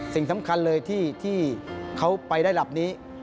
สิ่งสำคัญเลยที่เขาไปได้หลับนี้